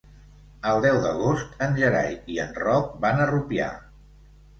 El deu d'agost en Gerai i en Roc van a Rupià.